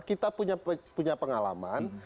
kita punya pengalaman